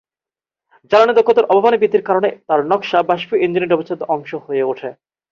জ্বালানী দক্ষতার অভাবনীয় বৃদ্ধির কারণে তাঁর নকশা বাষ্পীয় ইঞ্জিনের একটি অবিচ্ছেদ্য অংশ হয়ে উঠে।